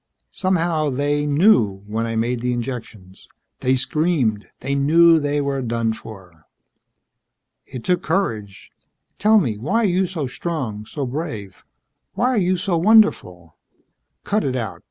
Somehow they knew when I made the injections. They screamed. They knew they were done for." "It took courage. Tell me: why are you so strong, so brave? Why are you so wonderful?" "Cut it out.